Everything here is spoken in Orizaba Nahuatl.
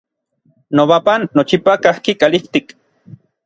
Nobapan nochipa kajki kalijtik.